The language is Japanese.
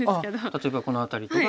例えばこの辺りとか。